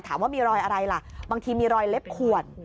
ถามว่ามีรอยอะไรล่ะบางทีมีรอยเล็บขวด